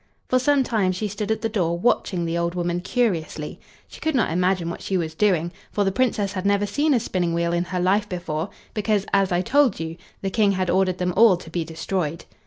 For some time she stood at the door, watching the old woman curiously; she could not imagine what she was doing, for the Princess had never seen a spinning wheel in her life before, because, as I told you, the King had ordered them all to be destroyed.